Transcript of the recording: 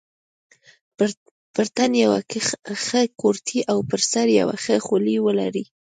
پر تن یوه ښه کورتۍ او پر سر یوه ښه خولۍ ولري.